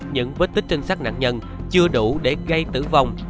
những vết tích trên sát nạn nhân chưa đủ để gây tử vong